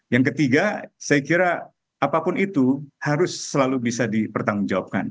yang ketiga saya kira apapun itu harus selalu bisa dipertanggungjawabkan